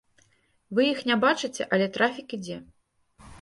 Вы іх не бачыце, але трафік ідзе.